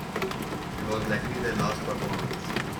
It was likely their last performance.